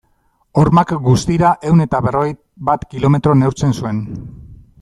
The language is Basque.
Hormak, guztira ehun eta berrogei bat kilometro neurtzen zuen.